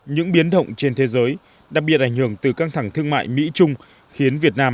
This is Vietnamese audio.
những biến động trên thế giới đặc biệt ảnh hưởng từ căng thẳng thương mại mỹ trung khiến việt nam